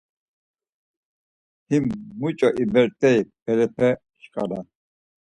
Him muç̌o ibirt̆ey berepe şǩala?